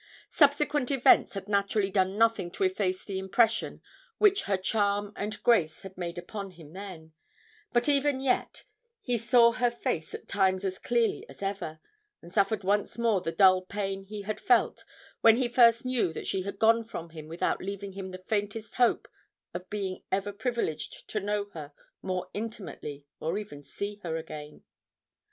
Subsequent events had naturally done something to efface the impression which her charm and grace had made upon him then; but even yet he saw her face at times as clearly as ever, and suffered once more the dull pain he had felt when he first knew that she had gone from him without leaving him the faintest hope of being ever privileged to know her more intimately or even see her again.